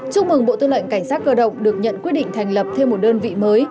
chúc mừng bộ tư lệnh cảnh sát cơ động được nhận quyết định thành lập thêm một đơn vị mới